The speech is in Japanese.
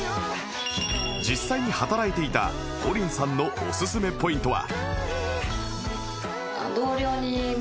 実際に働いていた ＰＯＲＩＮ さんのおすすめポイントは？